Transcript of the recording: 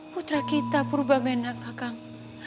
putra kita purba mena kakang